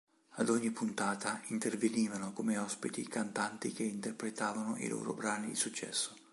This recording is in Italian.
Ad ogni puntata intervenivano come ospiti cantanti che interpretavano i loro brani di successo.